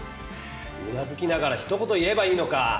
うなずきながらひと言言えばいいのか。